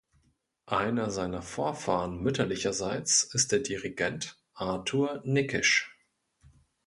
Einer seiner Vorfahren mütterlicherseits ist der Dirigent Arthur Nikisch.